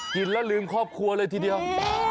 กินแล้วลืมครอบครัวเลยทีเดียว